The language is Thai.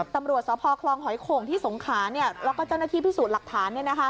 ตำรวจสพคลองหอยโข่งที่สงขาแล้วก็เจ้าหน้าที่พิสูจน์หลักฐาน